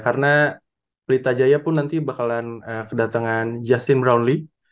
karena pelita jaya pun nanti bakalan kedatengan justin brownlee